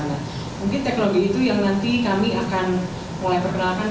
nah mungkin teknologi itu yang nanti kami akan mulai perkenalkan